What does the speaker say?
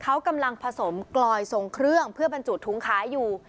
เขากำลังผสมกลอยทรงเครื่องเพื่อบรรจุถุงขายอยู่